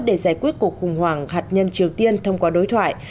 để giải quyết cuộc khủng hoảng hạt nhân triều tiên thông qua đối thoại